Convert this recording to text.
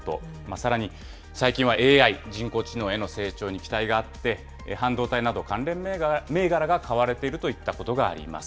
さらに最近はＡＩ・人工知能への成長に期待があって、半導体など、関連銘柄が買われているといったことがあります。